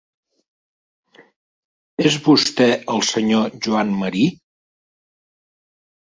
És vostè el senyor Joan Marí?